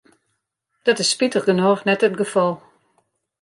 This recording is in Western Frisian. Dat is spitich genôch net it gefal.